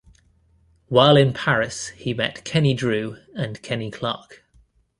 While in Paris, he met Kenny Drew and Kenny Clarke.